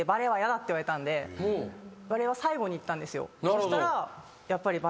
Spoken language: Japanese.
そしたら。